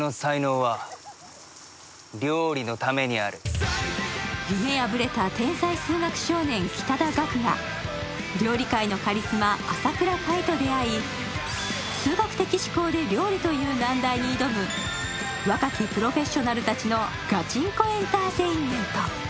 今回紹介してくれるのは夢破れた天才数学少年・北田岳が料理界のカリスマ・朝倉海と出会い数学的思考で料理という難題に挑む若きプロフェッショナルたちによるガチンコエンターテインメント。